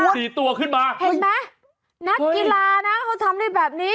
สี่ตัวขึ้นมาเห็นไหมนักกีฬานะเขาทำได้แบบนี้